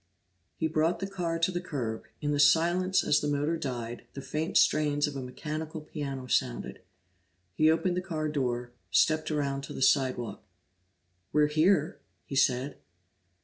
He brought the car to the curb; in the silence as the motor died, the faint strains of a mechanical piano sounded. He opened the car door, stepped around to the sidewalk. "We're here," he said.